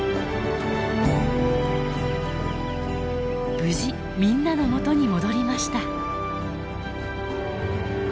無事みんなのもとに戻りました。